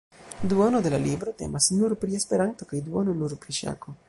Duono de la libro temas nur pri Esperanto kaj duono nur pri ŝako.